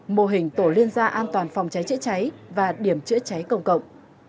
mô hình tổ liên gia an toàn phòng cháy trễ cháy và điểm trễ cháy công cộng